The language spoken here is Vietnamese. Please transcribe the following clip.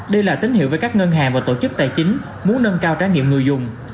đây là tín hiệu với các ngân hàng và tổ chức tài chính muốn nâng cao trải nghiệm người dùng